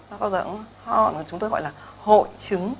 nó bao giờ cũng ho chúng ta gọi là hội chứng